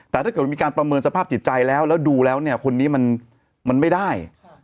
แต่ถ้าเกิดมีการประเมินสภาพจิตใจแล้วแล้วดูแล้วเนี่ยคนนี้มันไม่ได้